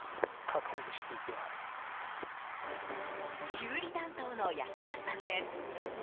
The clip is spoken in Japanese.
修理担当の安田さんです。